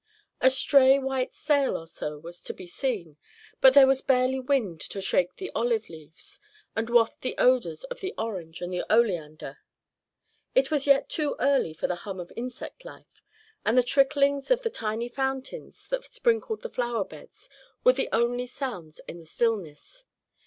A stray white sail or so was to be seen, but there was barely wind to shake the olive leaves, and waft the odors of the orange and the oleander. It was yet too early for the hum of insect life, and the tricklings of the tiny fountains that sprinkled the flower beds were the only sounds in the stillness.